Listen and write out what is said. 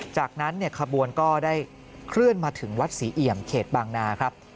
จากนั้นขบวนก็ได้เคลื่อนมาถึงวัดศรีเอี่ยมเขตบางนาครับ